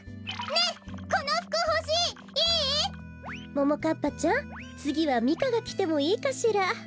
ももかっぱちゃんつぎはミカがきてもいいかしら？